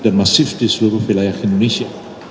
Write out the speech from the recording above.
dan masif di seluruh wilayah indonesia